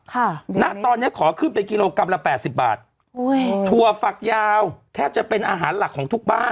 ค่ะณตอนเนี้ยขอขึ้นเป็นกิโลกรัมละแปดสิบบาทอุ้ยถั่วฝักยาวแทบจะเป็นอาหารหลักของทุกบ้าน